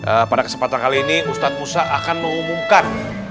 nah pada kesempatan kali ini ustadz musa akan mengumumkan